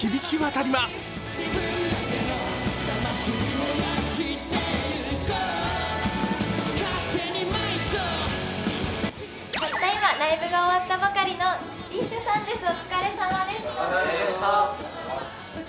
たった今、ライブが終わったばかりのＤＩＳＨ／／さんです。